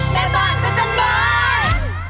แม่บ้านพระเจ้าบ้าน